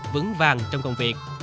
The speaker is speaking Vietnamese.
vững vàng trong công việc